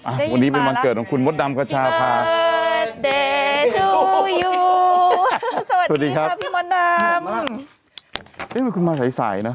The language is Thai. อ่ะวันนี้เป็นวันเกิดของคุณมดดำกระชาพาสวัสดีครับพี่มดดำนี่มันคุณมาสายใสนะ